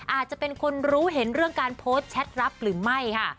อาจจะเป็นคนรู้เห็นเรื่องการโพสต์แชทรับหรือไม่ค่ะ